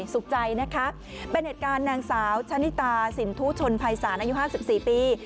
สุขใจนะคะเป็นเหตุการณ์นางสาวชะนิตาสินทุชนภัยศาลอายุ๕๔ปี